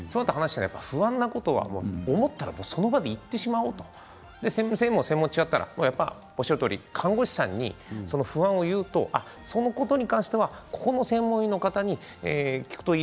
不安なことは思ったらその場で言ってしまおうと専門が違ったらおっしゃるとおり看護師さんにその不安を言うとそのことに関してはここの専門医の方に聞くといい。